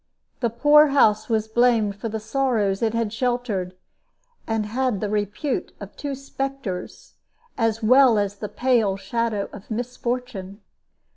The poor house was blamed for the sorrows it had sheltered, and had the repute of two spectres, as well as the pale shadow of misfortune.